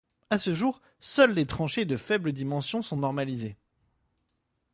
À ce jour, seules les tranchées de faibles dimensions sont normalisées.